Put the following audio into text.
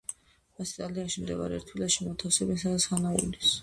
მას იტალიაში მდებარე ერთ ვილაში მოათავსებენ, სადაც ჰანა უვლის.